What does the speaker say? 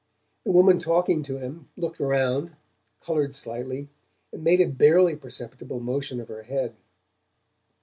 The woman talking to him looked around, coloured slightly, and made a barely perceptible motion of her head.